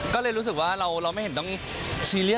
ก็เลยรู้สึกว่าเราไม่ต้องเชียร์